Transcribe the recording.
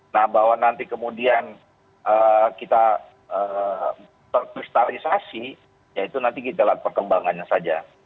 nah bahwa nanti kemudian kita terkristalisasi ya itu nanti kita lihat perkembangannya saja